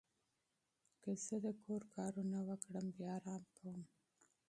که زه د کور کارونه وکړم، بیا آرام کوم.